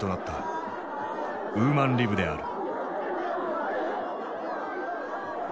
ウーマンリブである。